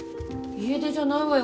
家出じゃないわよ。